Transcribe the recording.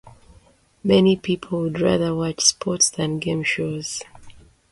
Many people would rather watch sports than game shows.